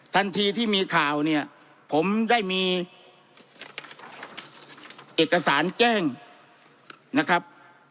ทันทีที่มีข่าวเนี่ยผมได้มีเอกสารแจ้งนะครับ